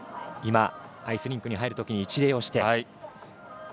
今、アイスリンクに入るときに一礼をして。